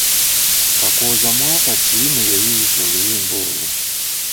Kakooza mwaka ki mwe yayiiyiza oluyimba olwo?